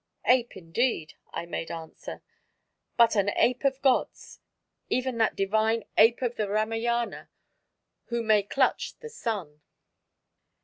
"Ape indeed," I made answer, "but an ape of gods, even that divine Ape of the Ramayana who may clutch the Sun!"